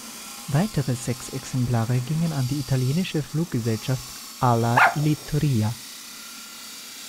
Weitere sechs Exemplare gingen an die italienische Fluggesellschaft Ala Littoria.